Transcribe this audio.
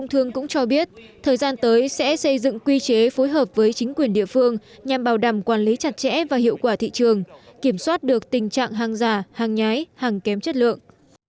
thời gian tới sẽ xây dựng quy chế phối hợp với chính quyền địa phương nhằm bảo đảm quản lý chặt chẽ và hiệu quả thị trường kiểm soát được tình trạng hàng giả hàng nhái hàng kém chất lượng